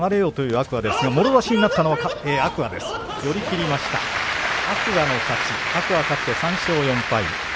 天空海勝って３勝４敗。